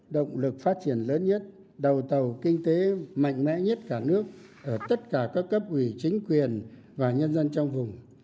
động lực phát triển lớn nhất đầu tàu kinh tế mạnh mẽ nhất cả nước ở tất cả các cấp ủy chính quyền và nhân dân trong vùng